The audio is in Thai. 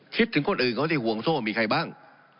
ถึงคนอื่นเขาที่ห่วงโซ่มีใครบ้าง